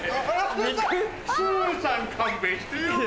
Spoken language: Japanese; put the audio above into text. スーさん勘弁してよ。